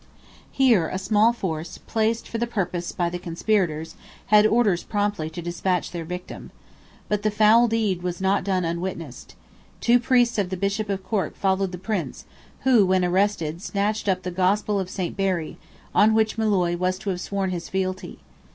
Here a small force, placed for the purpose by the conspirators, had orders promptly to despatch their victim. But the foul deed was not done unwitnessed. Two priests of the Bishop of Cork followed the Prince, who, when arrested, snatched up "the Gospel of St. Barry," on which Molloy was to have sworn his fealty.